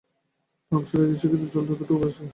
Pump সারিয়ে দিয়েছি, কিন্তু জল দ্রুত ঢুকে পড়ছে।